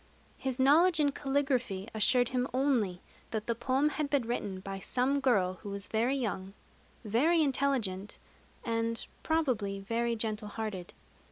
His knowledge in caligraphy assured him only that the poem had been written by some girl who was very young, very intelligent, and probably very gentle hearted.